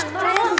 ya itu lagi